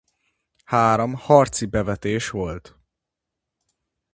Három harci bevetése volt.